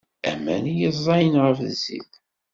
Aman i yeẓẓayen ɣef zzit.